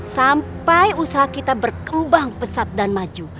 sampai usaha kita berkembang pesat dan maju